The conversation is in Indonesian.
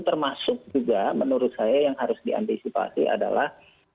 termasuk juga menurut saya yang harus diantisipasi adalah